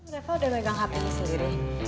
reva udah pegang hpnya sendiri